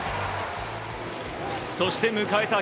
そして迎えた